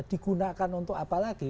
digunakan untuk apa lagi